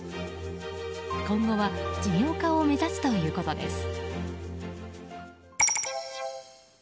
今後は事業化を目指すということです。